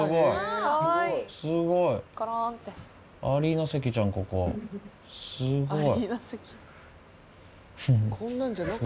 すごいアリーナ席じゃんここすごい。